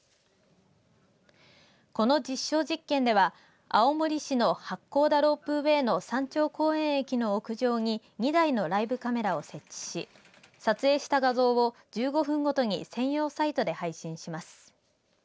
この実証実験では青森市の八甲田ロープウェーの山頂公園駅の屋上に２台のライブカメラを設置し撮影した画像を１５分ごとに専用サイトで配信します。